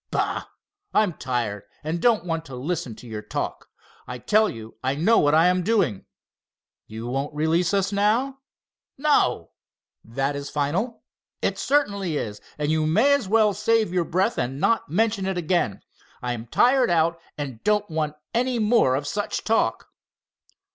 "Bah! I'm tired and don't want to listen to your talk. I tell you I know what I am doing." "You won't release us now?" "No." "That is final?" "It certainly is, and you may as well save your breath and not mention it again. I am tired out and don't want any more of such talk."